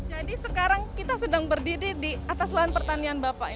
jadi sekarang kita sedang berdiri di atas lahan pertanian bapak ini